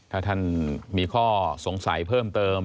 ถ้าท่านมีข้อสงสัยเพิ่มเติม